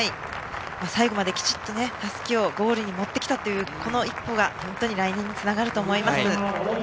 最後まできちんとたすきをゴールに持ってきたこの一歩が来年につながると思います。